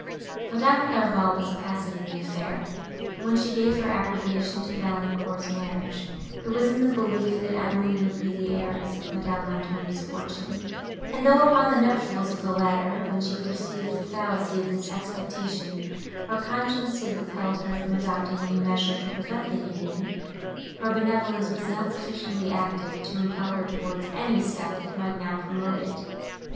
Madame Clairval was passive in the affair. When she gave her approbation to Valancourt's marriage, it was in the belief, that Emily would be the heiress of Madame Montoni's fortune; and, though, upon the nuptials of the latter, when she perceived the fallacy of this expectation, her conscience had withheld her from adopting any measure to prevent the union, her benevolence was not sufficiently active to impel her towards any step, that might now promote it.